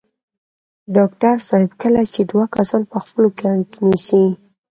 ډاکټر صاحب کله چې دوه کسان په خپلو کې اړيکې نیسي.